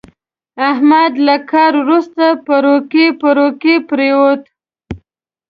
احمد له کار ورسته پړوکی پړوکی پرېوت.